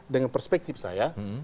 dengan perspektif saya